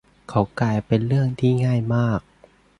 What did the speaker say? เขากลายเป็นเรื่องที่ง่ายมาก